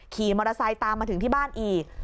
ขี่มอเตอร์ไซค์ตามมาถึงที่บ้านอีก